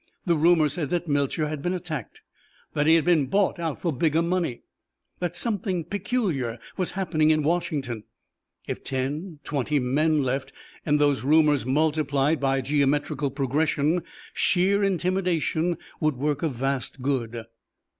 The rumours said that Melcher had been attacked, that he had been bought out for bigger money, that something peculiar was occurring in Washington. If ten, twenty men left and those rumours multiplied by geometrical progression, sheer intimidation would work a vast good.